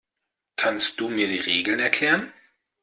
Kannst du mir die Regeln erklären?